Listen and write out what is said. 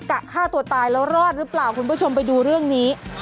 ฆ่าตัวตายแล้วรอดหรือเปล่าคุณผู้ชมไปดูเรื่องนี้